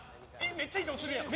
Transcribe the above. めっちゃ移動するやん。